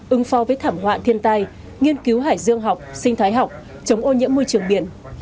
ứng phó với thảm họa thiên tai nghiên cứu hải dương học sinh thái học chống ô nhiễm môi trường biển